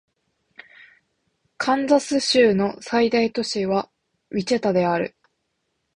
カンザス州の最大都市はウィチタである